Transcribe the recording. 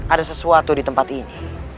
ada sesuatu di tempat ini